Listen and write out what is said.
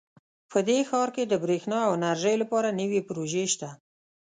په دې ښار کې د بریښنا او انرژۍ لپاره نوي پروژې شته